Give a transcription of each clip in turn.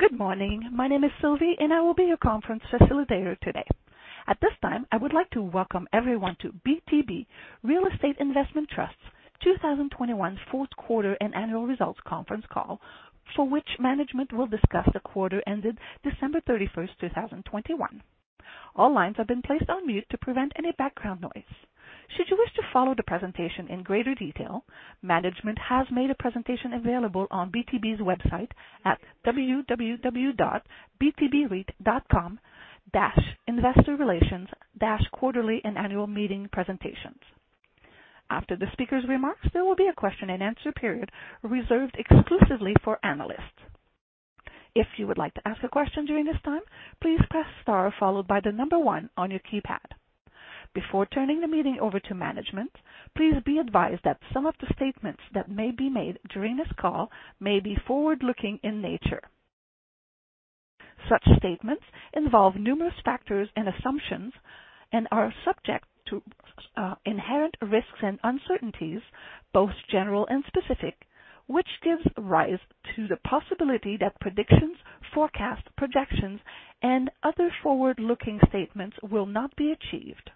Good morning. My name is Sylvie, and I will be your conference facilitator today. At this time, I would like to welcome everyone to BTB Real Estate Investment Trust 2021 Q4 and annual results conference call, for which management will discuss the quarter ended December 31st, 2021. All lines have been placed on mute to prevent any background noise. Should you wish to follow the presentation in greater detail, management has made a presentation available on BTB's website at www.btbreit.com/investorrelations/quarterlyandannualmeetingpresentations. After the speaker's remarks, there will be a question and answer period reserved exclusively for analysts. If you would like to ask a question during this time, please press star followed by one on your keypad. Before turning the meeting over to management, please be advised that some of the statements that may be made during this call may be forward-looking in nature. Such statements involve numerous factors and assumptions and are subject to inherent risks and uncertainties, both general and specific, which gives rise to the possibility that predictions, forecasts, projections, and other forward-looking statements will not be achieved.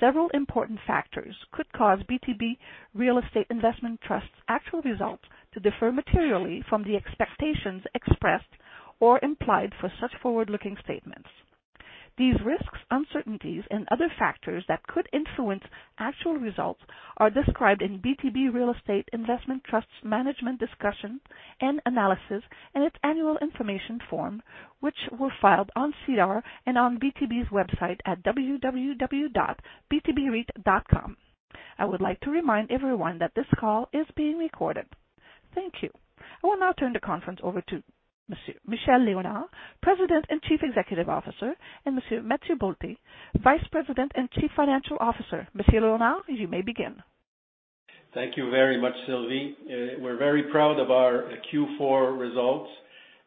Several important factors could cause BTB Real Estate Investment Trust's actual results to differ materially from the expectations expressed or implied for such forward-looking statements. These risks, uncertainties and other factors that could influence actual results are described in BTB Real Estate Investment Trust's management discussion and analysis in its annual information form, which were filed on SEDAR and on BTB's website at www.btbreit.com. I would like to remind everyone that this call is being recorded. Thank you. I will now turn the conference over to Monsieur Michel Léonard, President and Chief Executive Officer, and Monsieur Mathieu Bolté, Vice President and Chief Financial Officer. Monsieur Léonard, you may begin. Thank you very much, Sylvie. We're very proud of our Q4 results,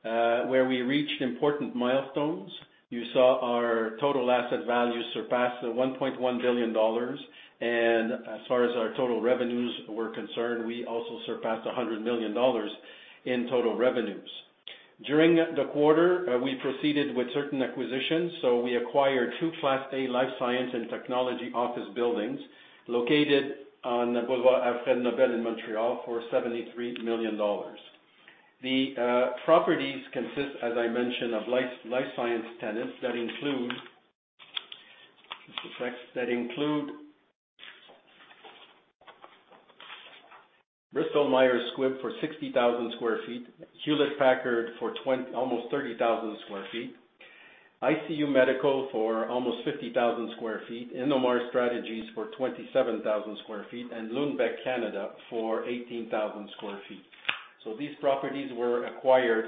where we reached important milestones. You saw our total asset value surpass 1.1 billion dollars, and as far as our total revenues were concerned, we also surpassed 100 million dollars in total revenues. During the quarter, we proceeded with certain acquisitions, so we acquired two class A life science and technology office buildings located on Boulevard Alfred Nobel in Montreal for 73 million dollars. The properties consist, as I mentioned, of life science tenants that include Bristol Myers Squibb for 60,000 sq ft, Hewlett Packard for almost 30,000 sq ft, ICU Medical for almost 50,000 sq ft, Innomar Strategies for 27,000 sq ft, and Lundbeck Canada for 18,000 sq ft. These properties were acquired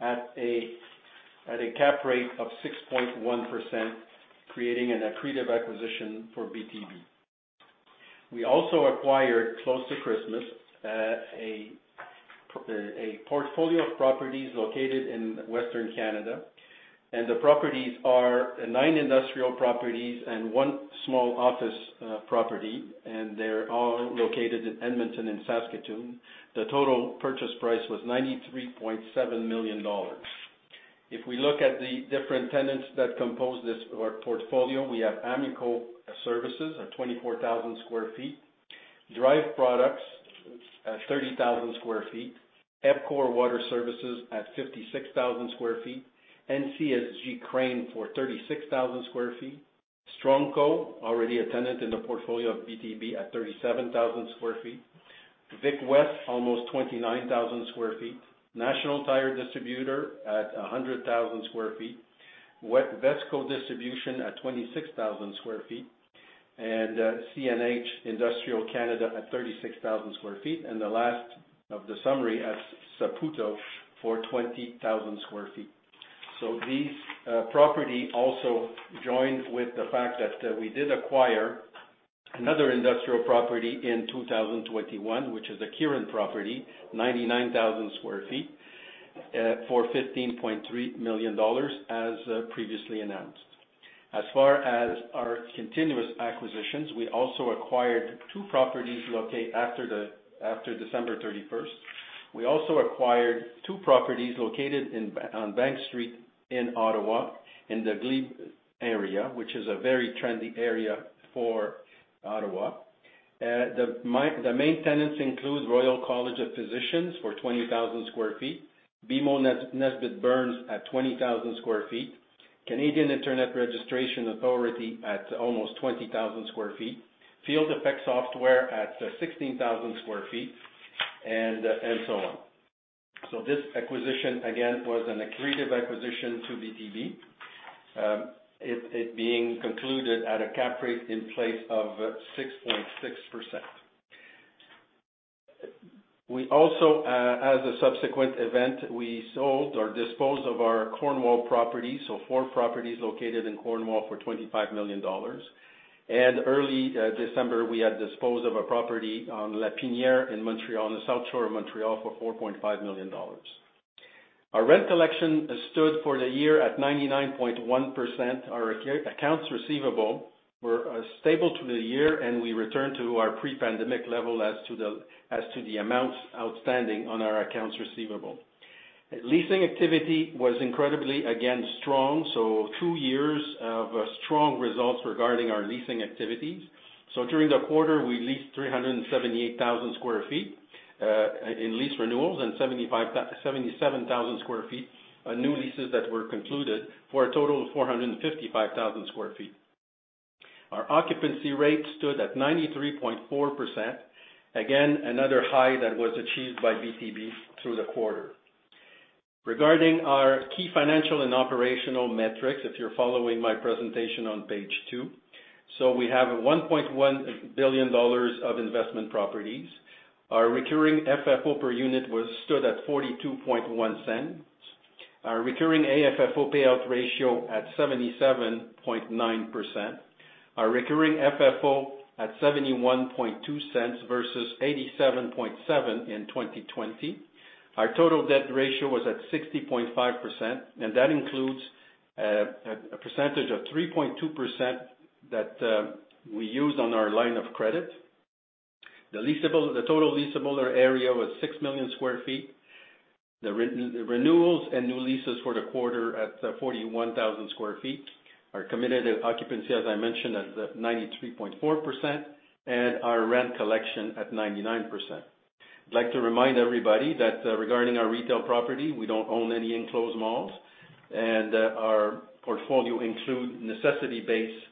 at a cap rate of 6.1%, creating an accretive acquisition for BTB. We also acquired, close to Christmas, a portfolio of properties located in Western Canada, and the properties are nine industrial properties and one small office property, and they're all located in Edmonton and Saskatoon. The total purchase price was 93.7 million dollars. If we look at the different tenants that compose this portfolio, we have Amico Services at 24,000 sq ft, Drive Products at 30,000 sq ft, EPCOR Water Services at 56,000 sq ft, NCSG Crane at 36,000 sq ft, Strongco, already a tenant in the portfolio of BTB, at 37,000 sq ft, Vicwest, almost 29,000 sq ft, National Tire Distributors at 100,000 sq ft, WESCO Distribution at 26,000 sq ft, and CNH Industrial Canada at 36,000 sq ft, and the last of the summary as Saputo at 20,000 sq ft. These property also joined with the fact that we did acquire another industrial property in 2021, which is a Kirin property, 99,000 sq ft, for 15.3 million dollars, as previously announced. As far as our continuous acquisitions, we also acquired two properties located after December thirty-first. We also acquired two properties located in, on Bank Street in Ottawa, in the Glebe area, which is a very trendy area for Ottawa. The main tenants include Royal College of Physicians and Surgeons of Canada for 20,000 sq ft, BMO Nesbitt Burns at 20,000 sq ft, Canadian Internet Registration Authority at almost 20,000 sq ft, Field Effect Software at 16,000 sq ft and so on. This acquisition again was an accretive acquisition to BTB, it being concluded at a cap rate in place of 6.6%. We also, as a subsequent event, we sold or disposed of our Cornwall property, so four properties located in Cornwall for 25 million dollars. Early December, we had disposed of a property on Lapinière in Montreal, on the South Shore of Montreal, for 4.5 million dollars. Our rent collection stood for the year at 99.1%. Our accounts receivable were stable through the year, and we returned to our pre-pandemic level as to the amounts outstanding on our accounts receivable. Leasing activity was incredibly, again, strong, two years of strong results regarding our leasing activities. During the quarter, we leased 378,000 sq ft in lease renewals, and 77,000 sq ft new leases that were concluded for a total of 455,000 sq ft. Our occupancy rate stood at 93.4%, again, another high that was achieved by BTB through the quarter. Regarding our key financial and operational metrics, if you're following my presentation on page two, we have 1.1 billion dollars of investment properties. Our recurring FFO per unit stood at 0.421. Our recurring AFFO payout ratio at 77.9%. Our recurring FFO at 0.712 versus 0.877 in 2020. Our total debt ratio was at 60.5%, and that includes a percentage of 3.2% that we used on our line of credit. The total leasable area was six million sq ft. The renewals and new leases for the quarter at 41,000 sq ft. Our committed occupancy, as I mentioned, at 93.4%, and our rent collection at 99%. I'd like to remind everybody that, regarding our retail property, we don't own any enclosed malls, and our portfolio include necessity-based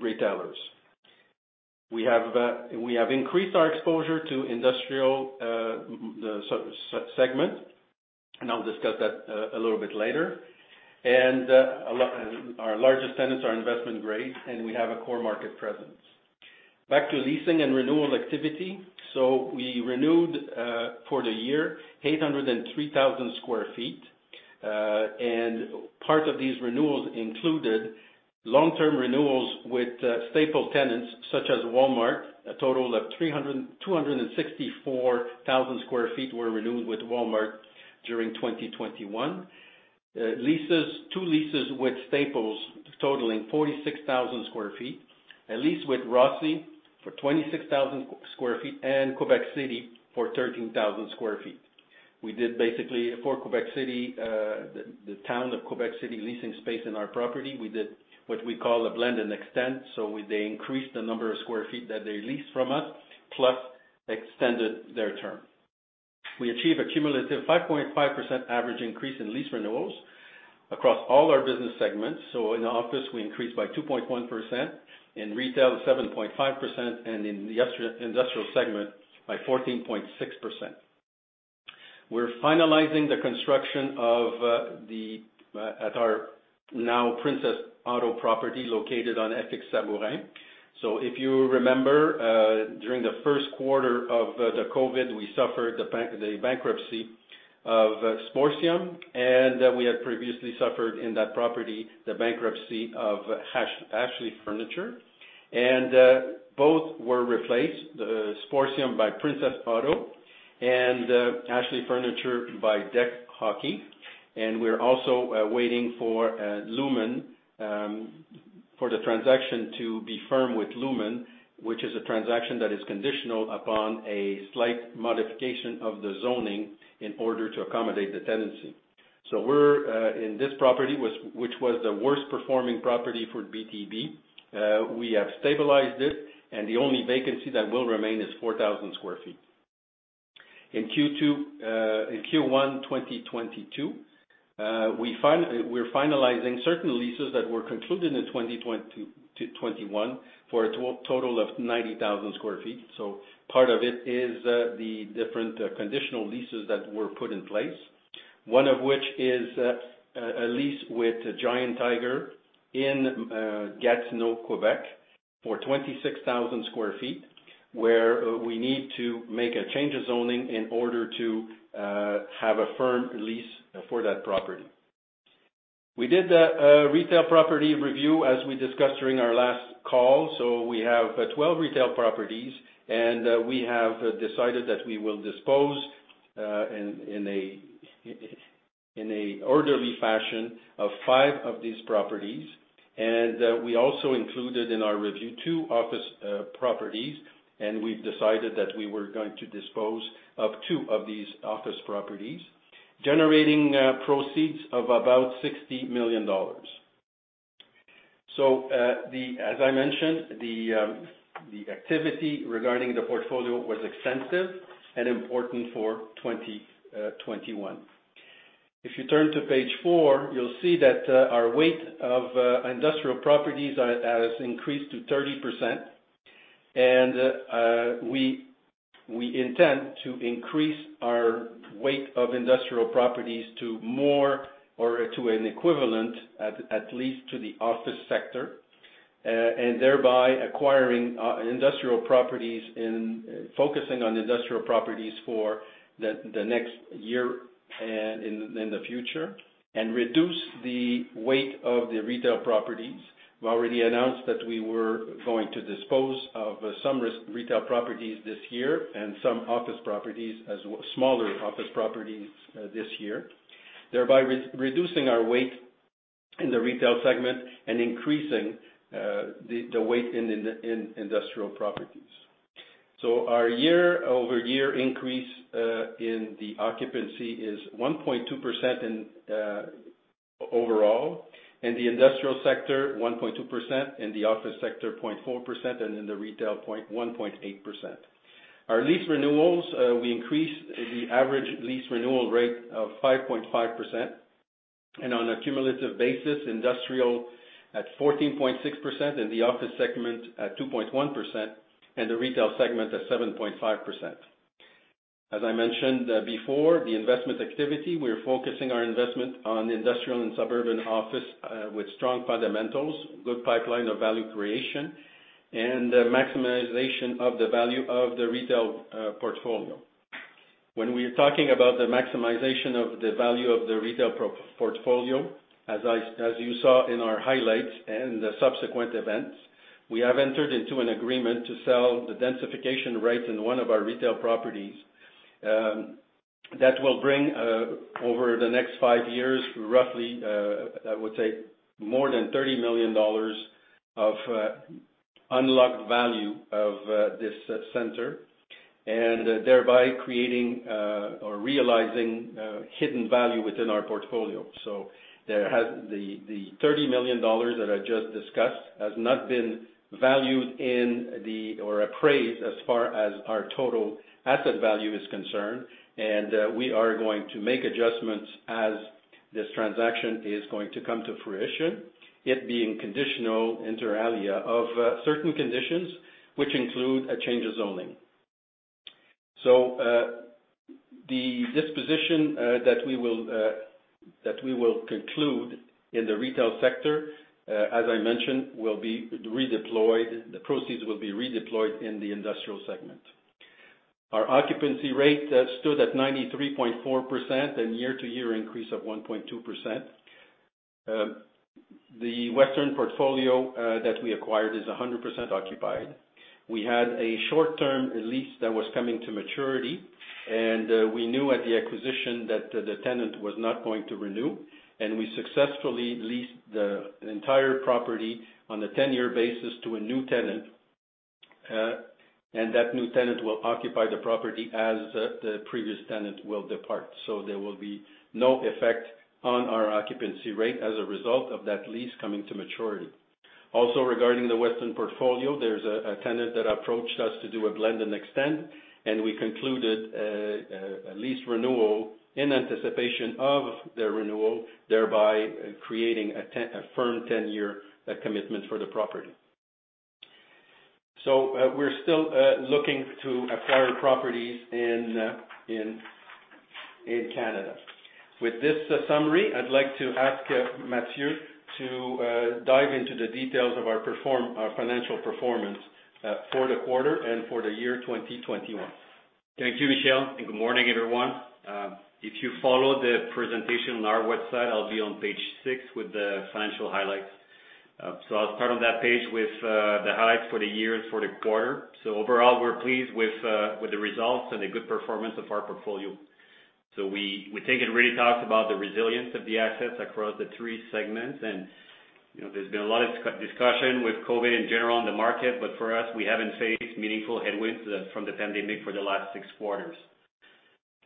retailers. We have increased our exposure to industrial segment, and I'll discuss that a little bit later. Our largest tenants are investment-grade, and we have a core market presence. Back to leasing and renewal activity. We renewed for the year 803,000 sq ft, and part of these renewals included long-term renewals with staple tenants such as Walmart, a total of 264,000 sq ft were renewed with Walmart during 2021. Leases, two leases with Staples totaling 46,000 sq ft, a lease with Rossy for 26,000 sq ft, and Quebec City for 13,000 sq ft. We did basically for Quebec City, the town of Quebec City leasing space in our property. We did what we call a blend and extend, they increased the number of square feet that they leased from us, plus extended their term. We achieved a cumulative 5.5% average increase in lease renewals across all our business segments. In office, we increased by 2.1%, in retail 7.5%, and in the industrial segment by 14.6%. We're finalizing the construction of our now Princess Auto property located on Ethique Saint-Laurent. If you remember, during the Q1 of the COVID, we suffered the bankruptcy of Sportium, and we had previously suffered in that property the bankruptcy of Ashley Furniture. Both were replaced, the Sportium by Princess Auto, and Ashley Furniture by Dek Hockey. We're also waiting for Lumen for the transaction to be firm with Lumen, which is a transaction that is conditional upon a slight modification of the zoning in order to accommodate the tenancy. We're in this property, which was the worst-performing property for BTB, we have stabilized it, and the only vacancy that will remain is 4,000 sq ft. In Q1 2022, we're finalizing certain leases that were concluded in 2021 for a total of 90,000 sq ft. Part of it is the different conditional leases that were put in place, one of which is a lease with Giant Tiger in Gatineau, Quebec, for 26,000 sq ft, where we need to make a change of zoning in order to have a firm lease for that property. We did a retail property review as we discussed during our last call. We have 12 retail properties, and we have decided that we will dispose in an orderly fashion of 5 of these properties. We also included in our review two office properties, and we've decided that we were going to dispose of two of these office properties, generating proceeds of about 60 million dollars. As I mentioned, the activity regarding the portfolio was extensive and important for 2021. If you turn to page four, you'll see that our weight of industrial properties has increased to 30%, and we intend to increase our weight of industrial properties to more or to an equivalent, at least to the office sector, and thereby acquiring industrial properties and focusing on industrial properties for the next year and in the future, and reduce the weight of the retail properties. We've already announced that we were going to dispose of some retail properties this year and some smaller office properties this year, thereby reducing our weight in the retail segment and increasing the weight in industrial properties. Our year-over-year increase in the occupancy is 1.2% overall. In the industrial sector, 1.2%, in the office sector, 0.4%, and in the retail, 1.8%. Our lease renewals, we increased the average lease renewal rate of 5.5%, and on a cumulative basis, industrial at 14.6%, in the office segment at 2.1%, and the retail segment at 7.5%. As I mentioned before, the investment activity, we are focusing our investment on industrial and suburban office with strong fundamentals, good pipeline of value creation, and maximization of the value of the retail portfolio. When we're talking about the maximization of the value of the retail portfolio, as you saw in our highlights and the subsequent events, we have entered into an agreement to sell the densification rights in one of our retail properties that will bring over the next five years, roughly, I would say more than 30 million dollars of unlocked value of this center, and thereby creating or realizing hidden value within our portfolio. The 30 million dollars that I just discussed has not been valued or appraised as far as our total asset value is concerned, and we are going to make adjustments as this transaction is going to come to fruition, it being conditional inter alia of certain conditions which include a change of zoning. The disposition that we will conclude in the retail sector, as I mentioned, will be redeployed. The proceeds will be redeployed in the industrial segment. Our occupancy rate stood at 93.4% and year-to-year increase of 1.2%. The western portfolio that we acquired is 100% occupied. We had a short-term lease that was coming to maturity, and we knew at the acquisition that the tenant was not going to renew, and we successfully leased the entire property on a ten-year basis to a new tenant. That new tenant will occupy the property as the previous tenant will depart. There will be no effect on our occupancy rate as a result of that lease coming to maturity. Regarding the western portfolio, there's a tenant that approached us to do a blend and extend, and we concluded a lease renewal in anticipation of their renewal, thereby creating a firm 10-year commitment for the property. We're still looking to acquire properties in Canada. With this summary, I'd like to ask Mathieu to dive into the details of our financial performance for the quarter and for the year 2021. Thank you, Michel, and good morning, everyone. If you follow the presentation on our website, I'll be on page 6 with the financial highlights. I'll start on that page with the highlights for the year and for the quarter. Overall, we're pleased with the results and the good performance of our portfolio. We think it really talks about the resilience of the assets across the three segments. You know, there's been a lot of discussion with COVID in general in the market, but for us, we haven't faced meaningful headwinds from the pandemic for the last six quarters.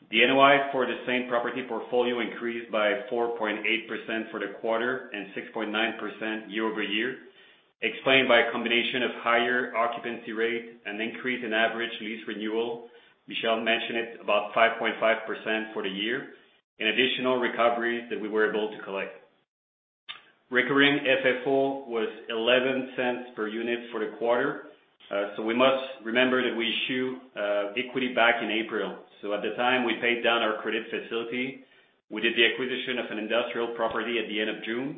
The NOI for the same property portfolio increased by 4.8% for the quarter and 6.9% year-over-year, explained by a combination of higher occupancy rates and increase in average lease renewal. Michel mentioned it, about 5.5% for the year, and additional recoveries that we were able to collect. Recurring FFO was 0.11 per unit for the quarter. We must remember that we issued equity back in April. At the time, we paid down our credit facility, we did the acquisition of an industrial property at the end of June,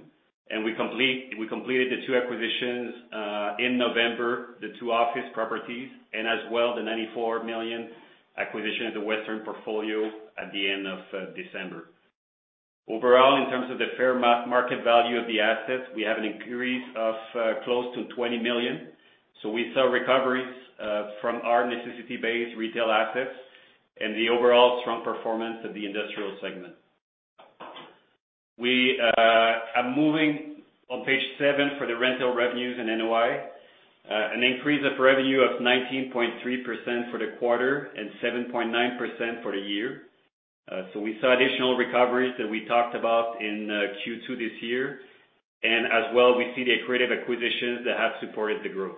and we completed the two acquisitions in November, the two office properties, and as well, the 94 million acquisition of the western portfolio at the end of December. Overall, in terms of the fair market value of the assets, we have an increase of close to 20 million. We saw recoveries from our necessity-based retail assets and the overall strong performance of the industrial segment. We are moving on page seven for the rental revenues and NOI. An increase of revenue of 19.3% for the quarter and 7.9% for the year. We saw additional recoveries that we talked about in Q2 this year. As well, we see the accretive acquisitions that have supported the growth.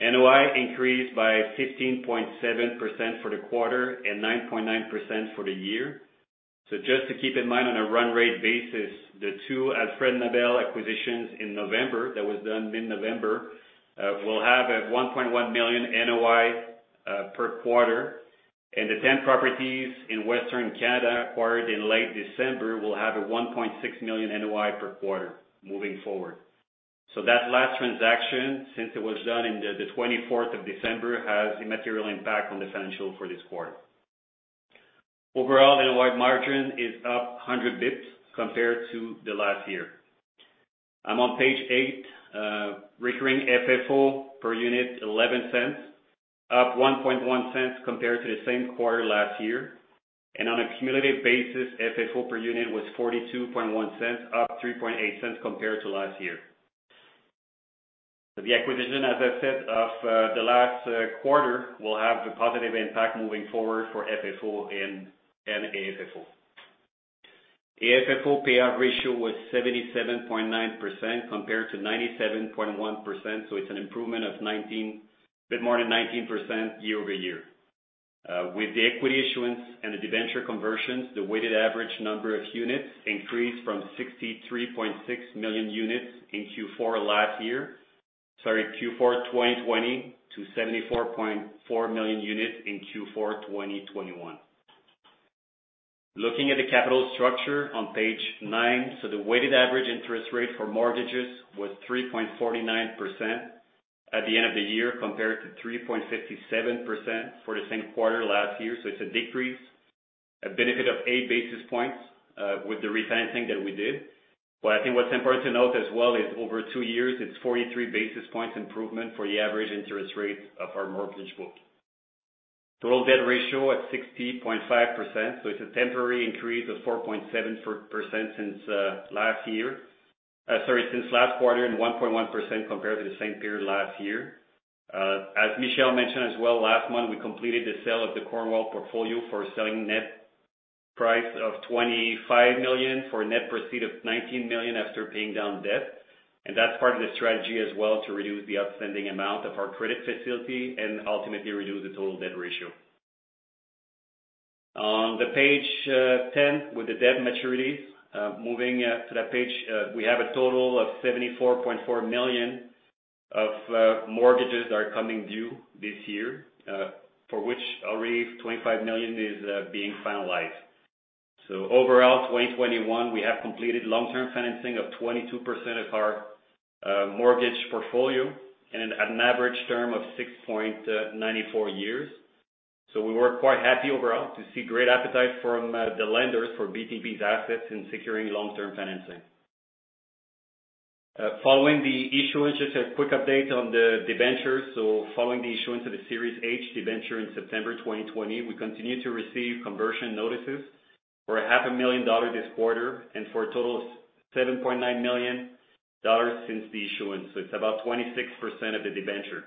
NOI increased by 15.7% for the quarter and 9.9% for the year. Just to keep in mind, on a run rate basis, the two Alfred Nobel acquisitions in November, that was done mid-November, will have a 1.1 million NOI per quarter, and the 10 properties in western Canada acquired in late December will have a 1.6 million NOI per quarter moving forward. That last transaction, since it was done on the 24th December, has a material impact on the financials for this quarter. Overall, NOI margin is up 100 basis points compared to last year. I'm on page eight, recurring FFO per unit 0.11, up 0.011 compared to the same quarter last year. On a cumulative basis, FFO per unit was 0.421, up 0.038 compared to last year. The acquisition, as I said, of the last quarter, will have a positive impact moving forward for FFO and AFFO. AFFO payout ratio was 77.9% compared to 97.1%, so it's an improvement of a bit more than 19% year-over-year. With the equity issuance and the debenture conversions, the weighted average number of units increased from 63.6 million units in Q4 2020 to 74.4 million units in Q4 2021. Looking at the capital structure on page nine. The weighted average interest rate for mortgages was 3.49% at the end of the year, compared to 3.57% for the same quarter last year. It's a decrease, a benefit of 8 basis points, with the refinancing that we did. I think what's important to note as well is over two years it's 43 basis points improvement for the average interest rate of our mortgage book. Total debt ratio at 60.5%. It's a temporary increase of 4.7 percentage points since last year. Sorry, since last quarter and 1.1% compared to the same period last year. As Michelle mentioned as well, last month, we completed the sale of the Cornwall portfolio for selling net price of 25 million for a net proceed of 19 million after paying down debt. That's part of the strategy as well, to reduce the outstanding amount of our credit facility and ultimately reduce the total debt ratio. Page ten with the debt maturities. Moving to that page, we have a total of 74.4 million of mortgages coming due this year, for which already 25 million is being finalized. Overall, 2021, we have completed long-term financing of 22% of our mortgage portfolio and at an average term of 6.94 years. We were quite happy overall to see great appetite from the lenders for BTB's assets in securing long-term financing. Following the issuance, just a quick update on the debentures. Following the issuance of the Series H debenture in September 2020, we continue to receive conversion notices for 500,000 dollars this quarter and for a total of 7.9 million dollars since the issuance. It's about 26% of the debenture.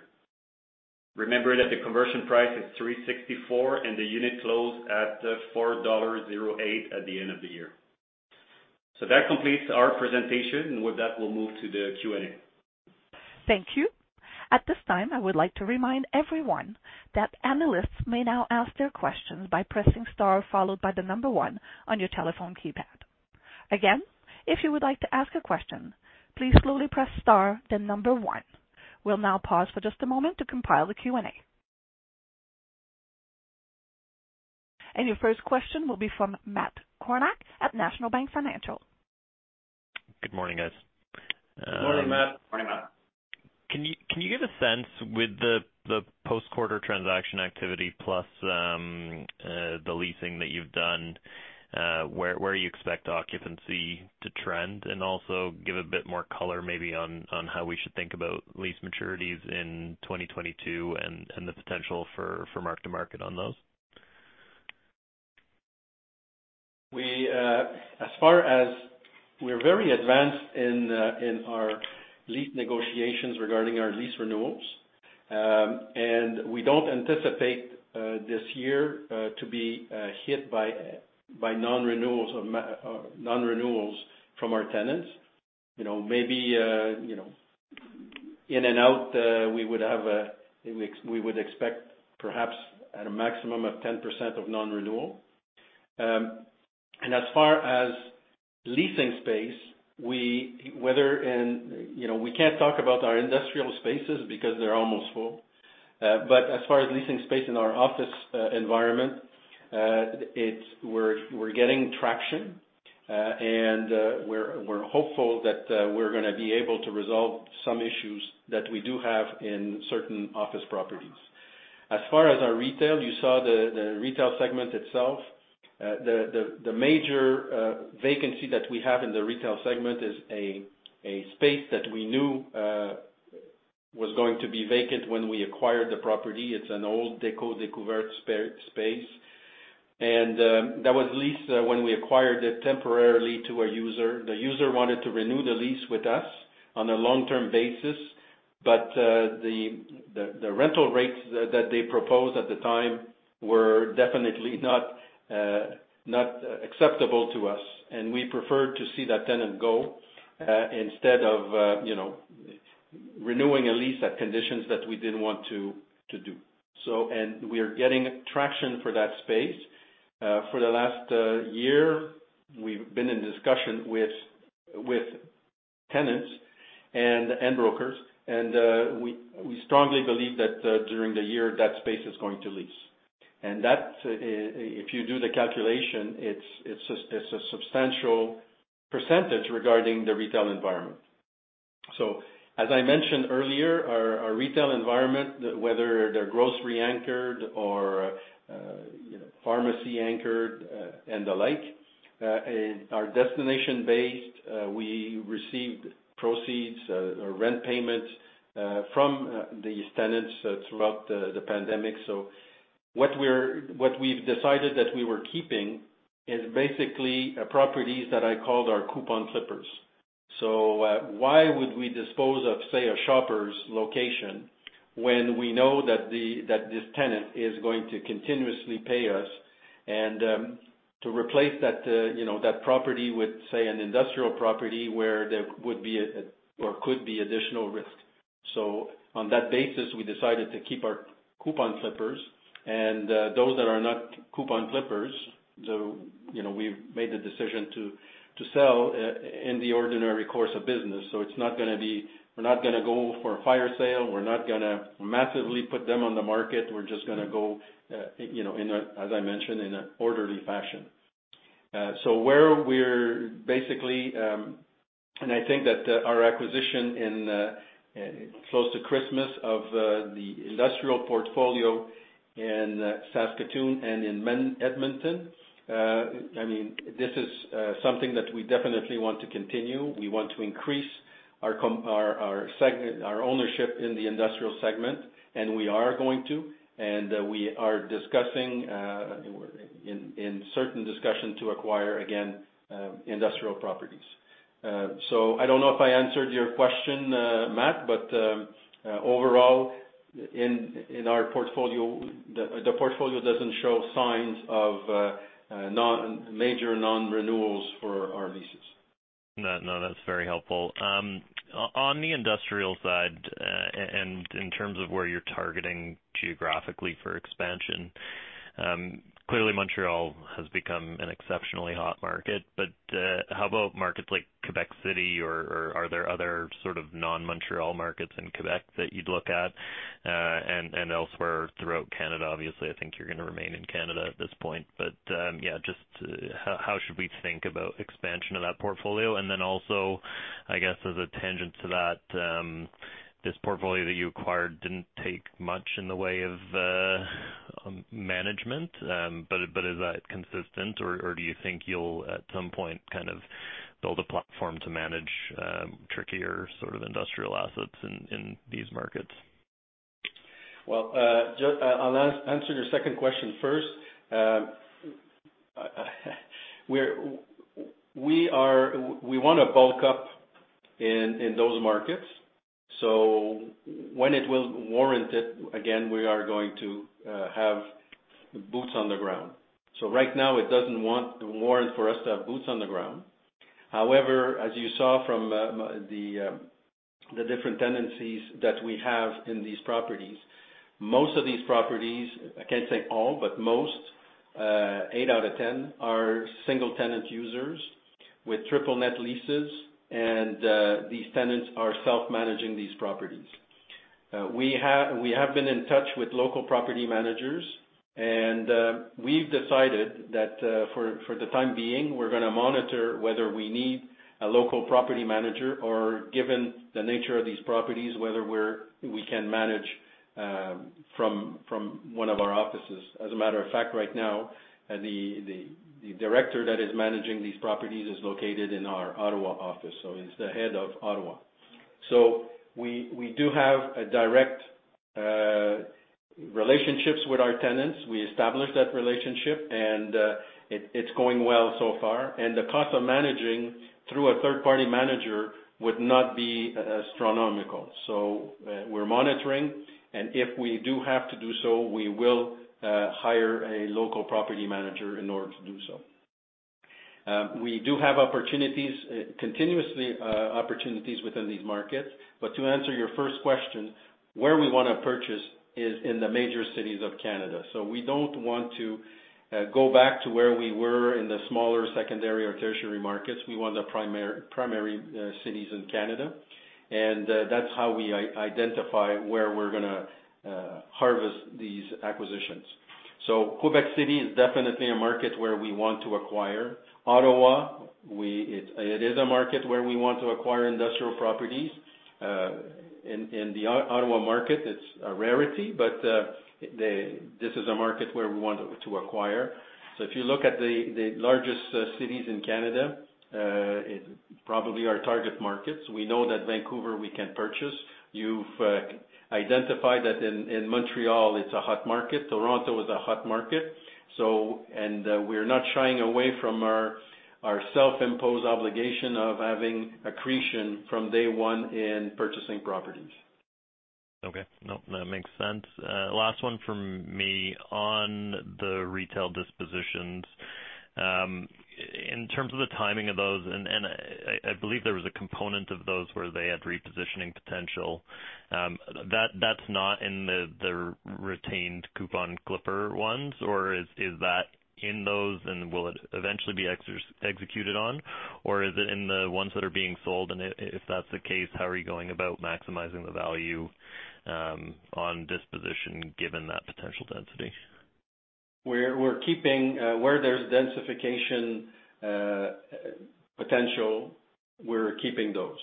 Remember that the conversion price is 3.64, and the unit closed at 4.08 dollars at the end of the year. That completes our presentation, and with that, we'll move to the Q&A. Thank you. At this time, I would like to remind everyone that analysts may now ask their questions by pressing star followed by the number one on your telephone keypad. Again, if you would like to ask a question, please slowly press star then number one. We'll now pause for just a moment to compile the Q&A. Your first question will be from Matt Kornack at National Bank Financial. Good morning, guys. Good morning, Matt. Can you give a sense with the post-quarter transaction activity plus the leasing that you've done, where you expect occupancy to trend? Also give a bit more color maybe on how we should think about lease maturities in 2022 and the potential for mark to market on those. We're very advanced in our lease negotiations regarding our lease renewals. We don't anticipate this year to be hit by non-renewals from our tenants. You know, maybe, you know, in and out, we would expect perhaps at a maximum of 10% of non-renewal. As far as leasing space, you know, we can't talk about our industrial spaces because they're almost full. As far as leasing space in our office environment, we're getting traction, and we're hopeful that we're gonna be able to resolve some issues that we do have in certain office properties. As far as our retail, you saw the retail segment itself. The major vacancy that we have in the retail segment is a space that we knew was going to be vacant when we acquired the property. It's an old Déco Découverte space, and that was leased when we acquired it temporarily to a user. The user wanted to renew the lease with us on a long-term basis, but the rental rates that they proposed at the time were definitely not acceptable to us, and we preferred to see that tenant go instead of you know renewing a lease at conditions that we didn't want to do. We are getting traction for that space. For the last year, we've been in discussion with tenants and brokers, and we strongly believe that during the year that space is going to lease. That's if you do the calculation, it's a substantial percentage regarding the retail environment. As I mentioned earlier, our retail environment, whether they're grocery-anchored or, you know, pharmacy-anchored and the like, are destination-based. We received proceeds or rent payments from these tenants throughout the pandemic. What we've decided that we were keeping is basically properties that I called our coupon clippers. Why would we dispose of, say, a Shoppers location when we know that that this tenant is going to continuously pay us and to replace that, you know, that property with, say, an industrial property where there would be or could be additional risk. On that basis, we decided to keep our coupon clippers and those that are not coupon clippers, you know, we've made the decision to sell in the ordinary course of business. It's not gonna be. We're not gonna go for a fire sale. We're not gonna massively put them on the market. We're just gonna go, you know, in a, as I mentioned, in an orderly fashion where we're basically, and I think that our acquisition in close to Christmas of the industrial portfolio in Saskatoon and in Edmonton, I mean, this is something that we definitely want to continue. We want to increase our segment, our ownership in the industrial segment, and we are going to, and we are discussing in certain discussions to acquire again industrial properties. I don't know if I answered your question, Matt, but overall in our portfolio, the portfolio doesn't show signs of major non-renewals for our leases. No, no, that's very helpful. On the industrial side, and in terms of where you're targeting geographically for expansion, clearly Montreal has become an exceptionally hot market. How about markets like Quebec City or are there other sort of non-Montreal markets in Quebec that you'd look at, and elsewhere throughout Canada? Obviously, I think you're gonna remain in Canada at this point. Yeah, just how should we think about expansion of that portfolio? Then also, I guess as a tangent to that, this portfolio that you acquired didn't take much in the way of management, but is that consistent or do you think you'll at some point kind of build a platform to manage trickier sort of industrial assets in these markets? Well, I'll answer your second question first. We want to bulk up in those markets, so when it will warrant it, again, we are going to have boots on the ground. Right now it doesn't warrant for us to have boots on the ground. However, as you saw from the different tenancies that we have in these properties, most of these properties, I can't say all, but most, eight out of 10 are single-tenant users with triple net leases. These tenants are self-managing these properties. We have been in touch with local property managers, and we've decided that for the time being, we're gonna monitor whether we need a local property manager or, given the nature of these properties, whether we can manage from one of our offices. As a matter of fact, right now, the director that is managing these properties is located in our Ottawa office, so he's the head of Ottawa. We do have a direct relationships with our tenants. We established that relationship and it's going well so far. The cost of managing through a third-party manager would not be astronomical. We're monitoring and if we do have to do so, we will hire a local property manager in order to do so. We do have opportunities continuously, opportunities within these markets. To answer your first question, where we wanna purchase is in the major cities of Canada. We don't want to go back to where we were in the smaller secondary or tertiary markets. We want the primary cities in Canada. That's how we identify where we're gonna harvest these acquisitions. Quebec City is definitely a market where we want to acquire. Ottawa, it is a market where we want to acquire industrial properties. In the Ottawa market it's a rarity, but this is a market where we want to acquire. If you look at the largest cities in Canada, it's probably our target markets. We know that Vancouver we can purchase. You've identified that in Montreal it's a hot market. Toronto is a hot market. We're not shying away from our self-imposed obligation of having accretion from day one in purchasing properties. Okay. Nope. That makes sense. Last one from me on the retail dispositions. In terms of the timing of those, I believe there was a component of those where they had repositioning potential, that's not in the retained coupon clipper ones or is that in those and will it eventually be executed on or is it in the ones that are being sold? If that's the case, how are you going about maximizing the value on disposition given that potential density? We're keeping where there's densification potential. We're keeping those.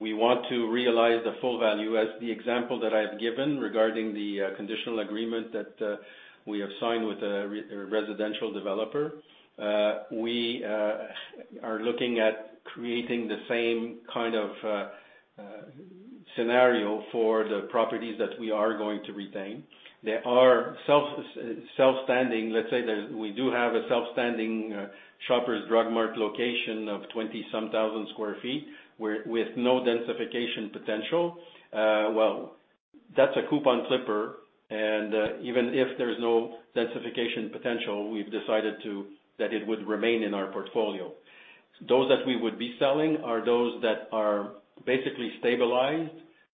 We want to realize the full value as the example that I've given regarding the conditional agreement that we have signed with a residential developer. We are looking at creating the same kind of scenario for the properties that we are going to retain. There are self-standing. Let's say that we do have a self-standing Shoppers Drug Mart location of 20,000+ sq ft with no densification potential. Well, that's a coupon clipper, and even if there's no densification potential, we've decided that it would remain in our portfolio. Those that we would be selling are those that are basically stabilized.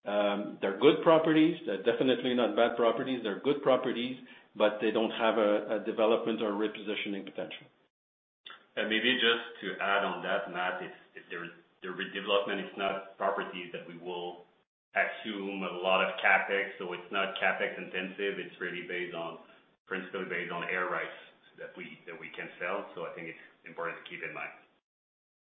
They're good properties. They're definitely not bad properties. They're good properties, but they don't have a development or repositioning potential. Maybe just to add on that, Matt, if there's the redevelopment, it's not properties that we will assume a lot of CapEx, so it's not CapEx intensive. It's really principally based on air rights that we can sell. I think it's important to keep in mind.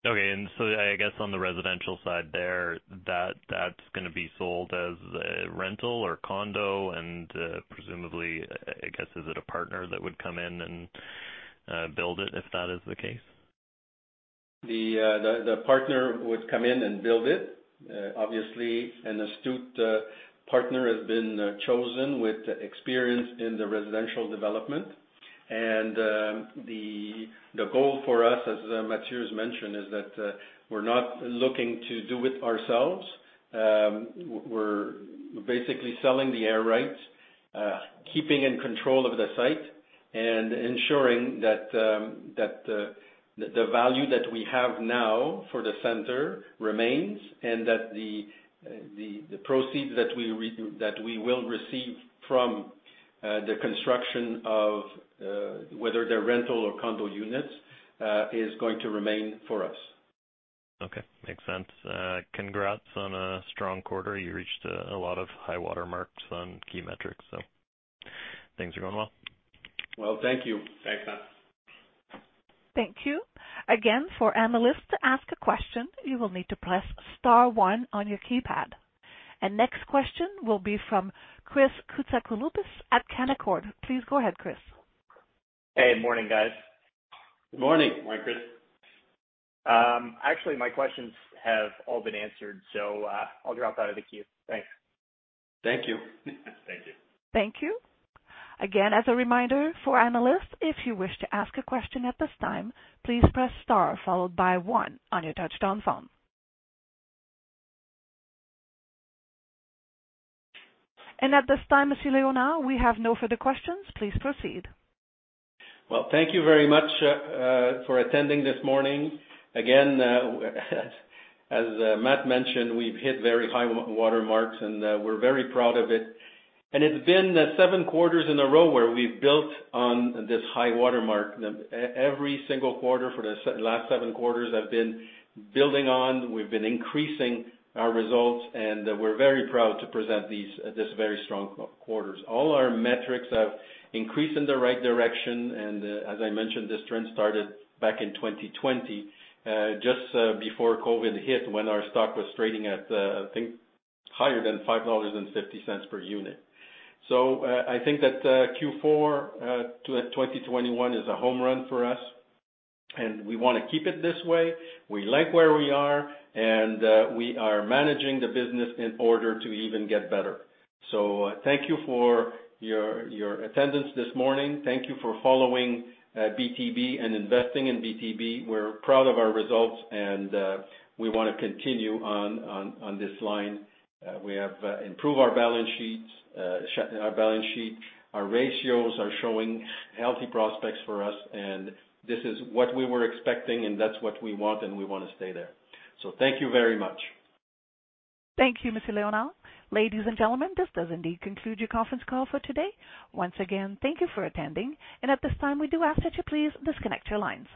Okay. I guess on the residential side there, that's gonna be sold as a rental or condo, and presumably, I guess, is it a partner that would come in and build it if that is the case? The partner would come in and build it. Obviously, an astute partner has been chosen with experience in the residential development. The goal for us, as Mathieu's mentioned, is that we're not looking to do it ourselves. We're basically selling the air rights, keeping in control of the site and ensuring that the value that we have now for the center remains and that the proceeds that we will receive from the construction of whether they're rental or condo units is going to remain for us. Okay. Makes sense. Congrats on a strong quarter. You reached a lot of high water marks on key metrics. Things are going well. Well, thank you. Thanks, Matt. Thank you. Again, for analysts to ask a question, you will need to press star one on your keypad. Next question will be from Chris Koutsikaloudis at Canaccord. Please go ahead, Chris. Hey, morning, guys. Good morning. Morning, Chris. Actually, my questions have all been answered, so I'll drop out of the queue. Thanks. Thank you. Thank you. Thank you. Again, as a reminder for analysts, if you wish to ask a question at this time, please press star followed by one on your touch-tone phone. At this time, Mr. Léonard, we have no further questions. Please proceed. Well, thank you very much for attending this morning. Again, as Matt mentioned, we've hit very high water marks, and we're very proud of it. It's been seven quarters in a row where we've built on this high water mark. Every single quarter for the last seven quarters have been building on, we've been increasing our results, and we're very proud to present this very strong quarters. All our metrics have increased in the right direction, and as I mentioned, this trend started back in 2020, just before COVID hit, when our stock was trading at, I think higher than 5.50 dollars per unit. I think that Q4 2021 is a home run for us, and we wanna keep it this way. We like where we are, and we are managing the business in order to even get better. Thank you for your attendance this morning. Thank you for following BTB and investing in BTB. We're proud of our results, and we wanna continue on this line. We have improved our balance sheet. Our ratios are showing healthy prospects for us, and this is what we were expecting, and that's what we want, and we wanna stay there. Thank you very much. Thank you, Mr. Léonard. Ladies and gentlemen, this does indeed conclude your conference call for today. Once again, thank you for attending, and at this time, we do ask that you please disconnect your lines.